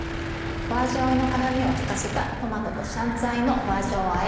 花椒の辛みを利かせた「トマトと香菜の花椒あえ」。